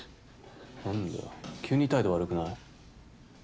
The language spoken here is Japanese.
なんだよ急に態度悪くない？